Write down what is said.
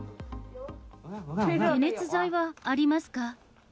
解熱剤はありますか。